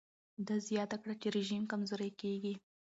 ده زیاته کړه چې رژیم کمزوری کېږي.